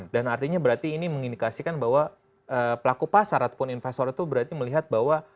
dan artinya berarti ini mengindikasikan bahwa pelaku pasar ataupun investor itu berarti melihat bahwa